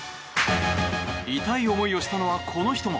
痛い思いをしたのはこの人も。